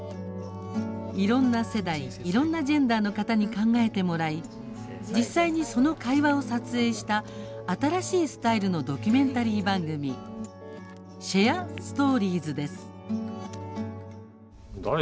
いろんな世代いろんなジェンダーの方に考えてもらい実際にその会話を撮影した新しいスタイルのドキュメンタリー番組「シェア・ストーリーズ」です。